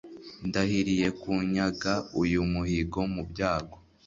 Ndahiriye kunyaga uyu muhigo mu byago